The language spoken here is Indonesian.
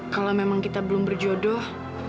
kalau memang kita belum berjodoh